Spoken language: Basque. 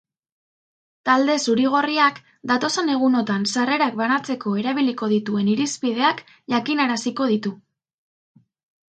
Talde zuri-gorriak datozen egunotan sarrerak banatzeko erabiliko dituen irizpideak jakinaraziko ditu.